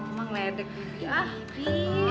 emang letek bibi